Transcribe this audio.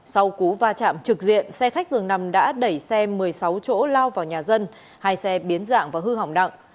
sau cú va chạm trực diện xe khách dường nằm đã đẩy xe một mươi sáu chỗ lao vào nhà dân hai xe biến dạng và hư hỏng nặng